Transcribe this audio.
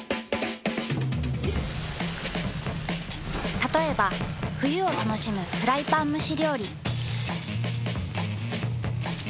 たとえば冬を楽しむフライパン蒸し料理。